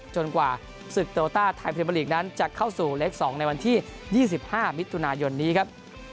จนกว่าศึกโตต้าไทยภีมบริกนั้นจะเข้าสู่เล็กสองในวันที่๒๕มิตุนายนนี้ครับ